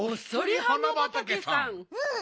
うん。